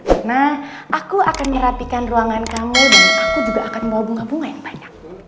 karena aku akan merapikan ruangan kamu dan aku juga akan bawa bunga bunga yang banyak